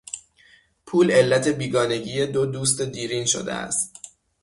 پول علت بیگانگی دو دوست دیرین شده است.